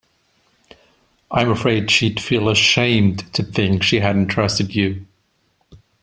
I'm afraid she'd feel ashamed to think she hadn't trusted you.